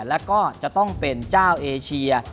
แล้วก็จะต้องเป็นเจ้าเอเชีย